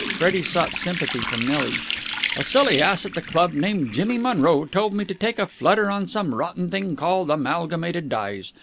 Freddie sought sympathy from Nelly. "A silly ass at the club named Jimmy Monroe told me to take a flutter in some rotten thing called Amalgamated Dyes.